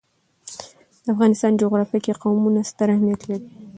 د افغانستان جغرافیه کې قومونه ستر اهمیت لري.